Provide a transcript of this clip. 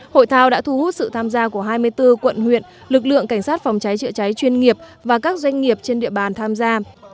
hội thao đã thu hút sự tham gia của hai mươi bốn quận huyện lực lượng cảnh sát phòng cháy chữa cháy chuyên nghiệp và các doanh nghiệp trên địa bàn tham gia